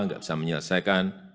tidak bisa menyelesaikan